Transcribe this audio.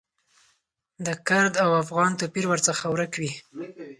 د کرد او افغان توپیر ورڅخه ورک وي.